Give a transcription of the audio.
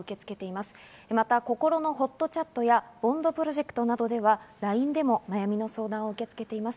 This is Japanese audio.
また、こころのほっとチャットやＢＯＮＤプロジェクトなどでは、ＬＩＮＥでも悩みの相談を受け付けています。